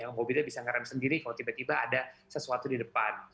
mobilnya bisa nge rem sendiri kalau tiba tiba ada sesuatu di depan